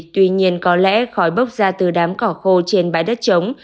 tuy nhiên có lẽ khói bốc ra từ đám cỏ khô trên bãi đất trống